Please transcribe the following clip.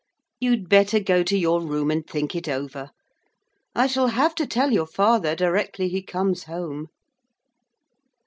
You'd better go to your room and think it over. I shall have to tell your father directly he comes home.'